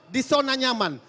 di zona nyaman